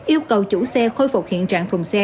yêu cầu chủ xe khôi phục hiện trạng thùng xe